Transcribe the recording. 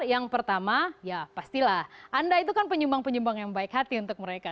yang pertama ya pastilah anda itu kan penyumbang penyumbang yang baik hati untuk mereka